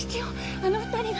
あの２人が！